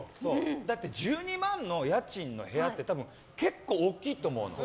だって１２万の家賃の部屋って結構大きいと思うの。